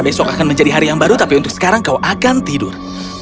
besok akan menjadi hari yang baru tapi untuk sekarang kau akan tidur